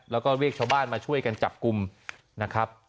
แล้วก็เรียกชาวบ้านมาช่วยกันจับกลุ่มนะครับ